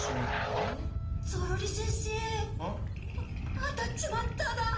当たっちまっただ。